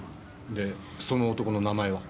でその男の名前は？